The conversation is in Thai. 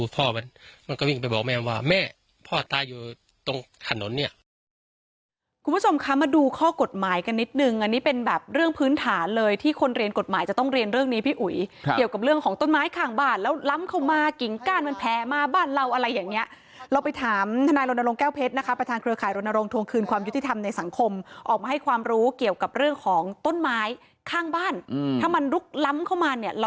พ่อมันก็วิ่งไปบอกแม่มันว่าแม่พ่อตายอยู่ตรงถนนเนี่ย